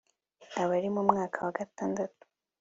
abari mu mwaka wa gatandatu